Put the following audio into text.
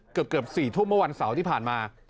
เกือบ๔ทุ่มเมื่อวันเสาร์ที่ผ่านมา